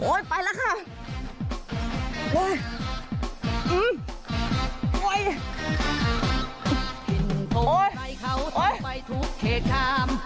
โอ๊ยไปแล้วค่ะ